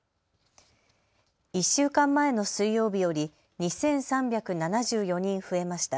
１週間前の水曜日より２３７４人増えました。